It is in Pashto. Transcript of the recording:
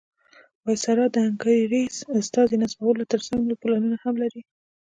وایسرا د انګریز استازي نصبولو تر څنګ نور پلانونه هم لري.